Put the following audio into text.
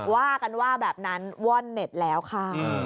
ว่ากันว่าแบบนั้นว่อนเน็ตแล้วค่ะ